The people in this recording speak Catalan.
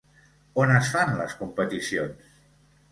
On es fan les competicions?